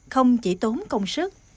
không chỉ tốn công sức